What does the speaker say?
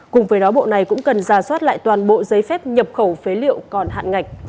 cùng với đó bộ này cũng cần ra soát lại toàn bộ giấy phép nhập khẩu phế liệu còn hạn ngạch